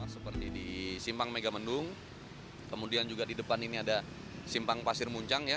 seperti di simpang megamendung kemudian juga di depan ini ada simpang pasir muncang ya